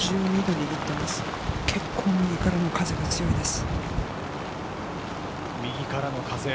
結構、右からの風が強いです。